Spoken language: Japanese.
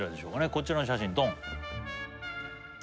こちらの写真ドン